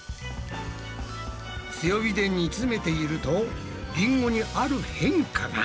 強火で煮詰めているとリンゴにある変化が。